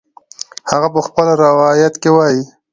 هغه په خپل روایت کې وایي